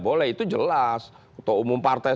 boleh itu jelas ketua umum partai